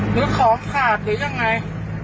หรือของขาดหรือยังไง